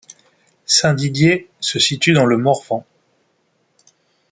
Saint-Didier se situe dans le Morvan.